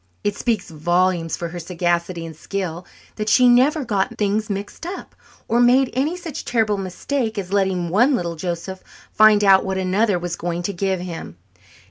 It speaks volumes for her sagacity and skill that she never got things mixed up or made any such terrible mistake as letting one little Joseph find out what another was going to give him.